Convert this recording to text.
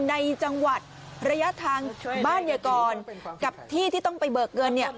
ในจังหวัดระยะทางบ้านยากรกับที่ที่ต้องไปเบิกเงินเนี่ย